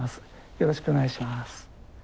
よろしくお願いします。